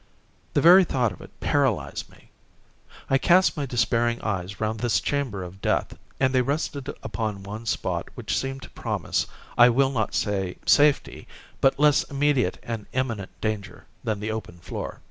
The very thought of it paralysed me. I cast my despairing eyes round this chamber of death, and they rested upon one spot which seemed to promise I will not say safety, but less immediate and imminent danger than the open floor.